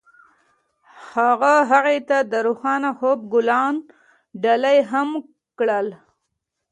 هغه هغې ته د روښانه خوب ګلان ډالۍ هم کړل.